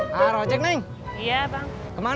sampai ketemu kembali ximena erkl teaspoon